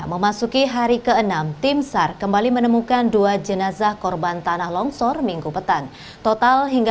memasuki hari ke enam timsar kembali menemukan dua jenazah korban tanah longsor minggu petang total hingga